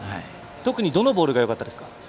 特にどのボールがよかったですか？